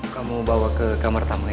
kamu bawa ke kamar tamu ya